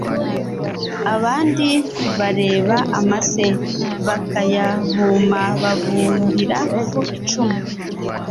Abandi bareba amase bakayabumababumbira ku icumu,